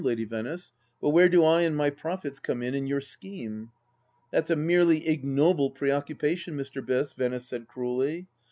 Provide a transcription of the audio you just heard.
Lady Venice, but where do I and my profits come in— in your scheme ?"., tt •" That's a merely ignoble preoccupation, Mr. Biss,' Venice said cruelly.